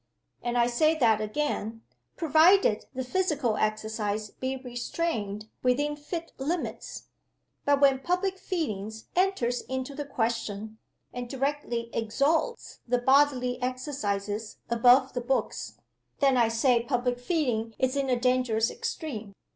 And I say that again provided the physical exercise be restrained within fit limits. But when public feeling enters into the question, and directly exalts the bodily exercises above the books then I say public feeling is in a dangerous extreme.